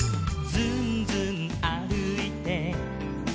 「ずんずんあるいて」